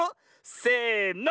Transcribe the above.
せの。